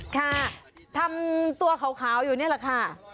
ค่ะทำตัวขาวอยู่นี่แหละค่ะ